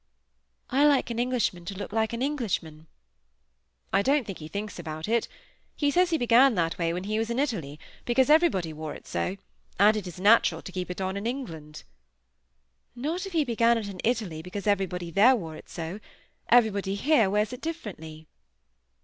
"I like an Englishman to look like an Englishman." "I don't think he thinks about it. He says he began that way when he was in Italy, because everybody wore it so, and it is natural to keep it on in England." "Not if he began it in Italy because everybody there wore it so. Everybody here wears it differently."